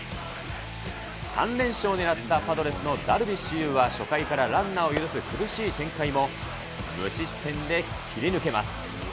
３連勝をねらったパドレスのダルビッシュ有は、初回からランナーを許す苦しい展開も、無失点で切り抜けます。